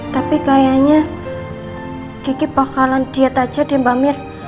tapi kayaknya kiki bakalan diet aja deh mbak mir